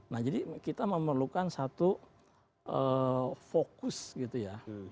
nah jadi kita memerlukan satu fokus gitu ya